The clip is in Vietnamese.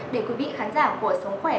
để quý vị khán giả của sống khỏe